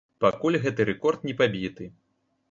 Пакуль гэты рэкорд не пабіты.